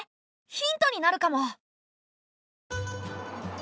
ヒントになるかも。